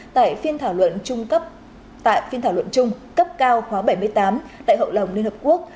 tại phiên thảo luận trung cấp cao khóa bảy mươi tám tại hậu lồng liên hợp quốc